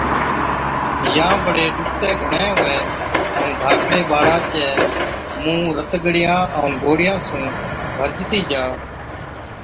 يان بڙي ڏُکتَي گھڻَي هُوَي ائُون ڌاڪڙي ٻاڙا چَي مُونه رت ڳڙِيان ائُون گوڙهِيان سُون ڀرجتِي جا